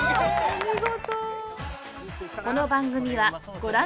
お見事。